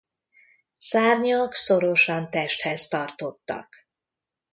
Szárnyak szorosan testhez tartottak.